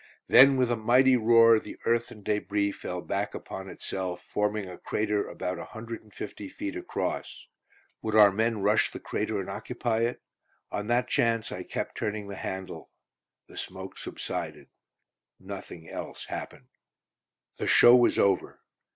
Then with a mighty roar the earth and débris fell back upon itself, forming a crater about 150 feet across. Would our men rush the crater and occupy it? On that chance, I kept turning the handle. The smoke subsided; nothing else happened. The show was over.